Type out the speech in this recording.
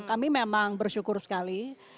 kami memang bersyukur sekali